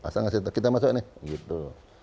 asal asal kita masuk ini gitu